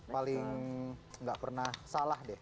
paling nggak pernah salah deh